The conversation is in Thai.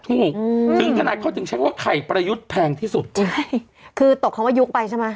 ถูกหนึ่งขณะเขาถึงแชมป์ว่าไข่ปะละยุธแพงที่สุดใช่คือตกของว่ายุคไปใช่มั้ย